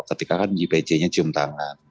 ketika kan di pc nya cium tangan